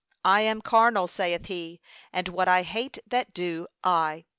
'I am carnal,' saith he, and what I hate that do I.